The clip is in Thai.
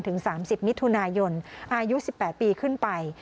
๓๐มิถุนายนอายุ๑๘ปีขึ้นไป